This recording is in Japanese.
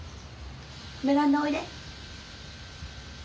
ベランダおいで。